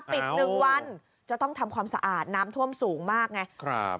๑วันจะต้องทำความสะอาดน้ำท่วมสูงมากไง